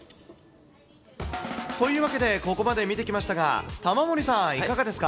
というわけでここまで見てきましたが、玉森さん、いかがですか。